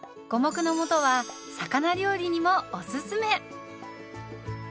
五目のもとは魚料理にもおすすめ。